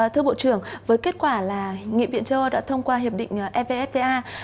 thưa bộ trưởng với kết quả là nghị viện châu âu đã thông qua hiệp định evfta